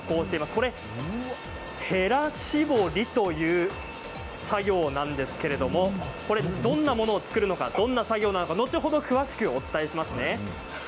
これは、へら絞りという作業なんですけれどもどんなものを作るのかどんな作業なのか後ほど詳しくお伝えしますね。